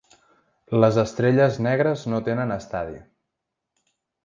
Les Estrelles Negres no tenen estadi.